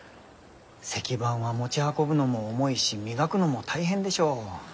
石版は持ち運ぶのも重いし磨くのも大変でしょう？